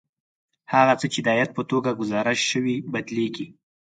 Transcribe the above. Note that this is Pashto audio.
هغه څه چې د عاید په توګه ګزارش شوي بدلېږي